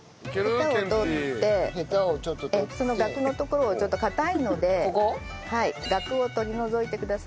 そのガクのところをちょっと硬いのでガクを取り除いてください。